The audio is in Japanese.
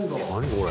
これ。